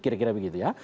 kira kira begitu ya